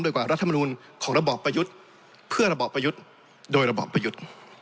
โดยกว่ารัฐมนูลของระบอบประยุทธ์เพื่อระบอบประยุทธ์โดยระบอบประยุทธ์